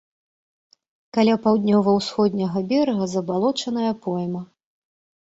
Каля паўднёва-ўсходняга берага забалочаная пойма.